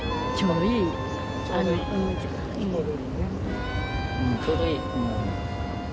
うんちょうどいい。